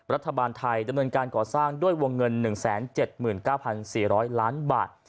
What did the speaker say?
รัฐบาลไทยดำเนินการก่อสร้างด้วยวงเงิน๑๗๙๔๐๐ล้านบาท